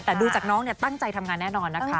แต่ดูจากน้องตั้งใจทำงานแน่นอนนะคะ